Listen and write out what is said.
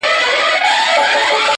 • په تلاښ د وظیفې سوه د خپل ځانه..